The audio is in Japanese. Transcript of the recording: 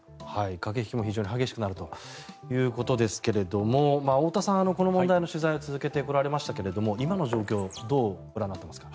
駆け引きも非常に激しくなるということですが太田さん、この問題の取材を続けてこられましたが今の状況どうご覧になっていますか？